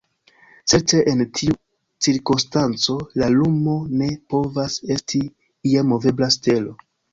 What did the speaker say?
Certe en tiu cirkonstanco la lumo ne povas esti ia movebla stelo.